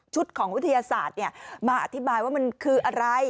ของวิทยาศาสตร์มาอธิบายว่ามันคืออะไร